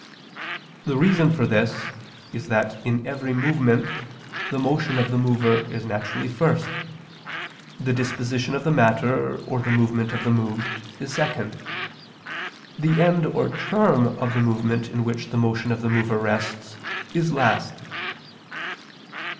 The reason for this is that in every movement the motion of the mover is naturally first; the disposition of the matter, or the movement of the moved, is second; the end or term of the movement in which the motion of the mover rests, is last.